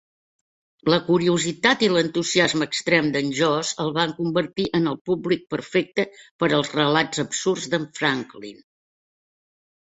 La curiositat i l'entusiasme extrem d'en Josh el van convertir en el públic perfecte per als relats absurds d'en Franklin.